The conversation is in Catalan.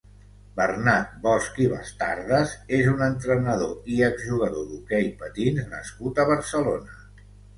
Bernat Bosch i Bastardes és un entrenador i ex-jugador d'hoquei patins nascut a Barcelona.